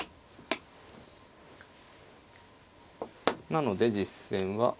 なので実戦は。